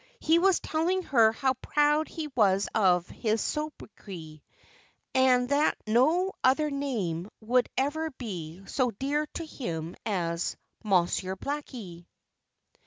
He was telling her how proud he was of his sobriquet, and that no other name would ever be so dear to him as "Monsieur Blackie."